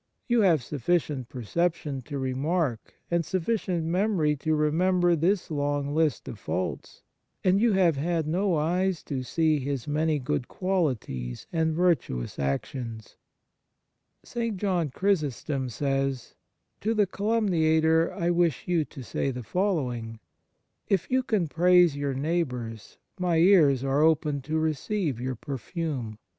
You have sufficient percep tion to remark, and sufficient memory to remember, this long list of faults, and you have had no eyes to see his many good qualities and virtuous actions." 6 5 F Fraternal Charity St. John Chrysostom says :" To the calumniator I wish you to say the following : If you can praise your neighbours, my ears are open to receive your perfume.